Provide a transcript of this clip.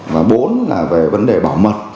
và bốn là về vấn đề bảo mật